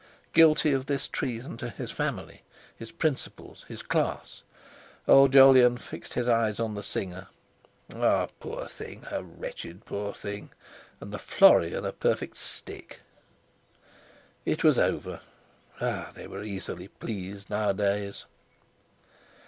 Guilty of this treason to his family, his principles, his class, old Jolyon fixed his eyes on the singer. A poor thing—a wretched poor thing! And the Florian a perfect stick! It was over. They were easily pleased nowadays!